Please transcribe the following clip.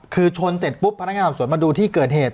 คือชนเสร็จปุ๊บพนักงานสอบสวนมาดูที่เกิดเหตุ